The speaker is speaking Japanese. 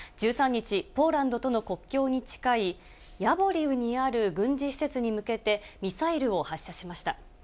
１３日、ポーランドとの国境に近いヤボリウにある軍事施設に向けて、ミサイルを発射しました。